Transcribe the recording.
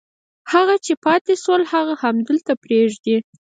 هغه چې پاتې شول هغه همدلته پرېږدي.